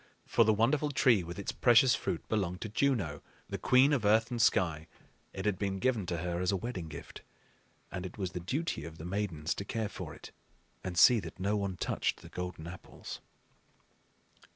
For the wonderful tree with its precious fruit belonged to Juno, the queen of earth and sky; it had been given to her as a wedding gift, and it was the duty of the Maidens to care for it and see that no one touched the golden apples.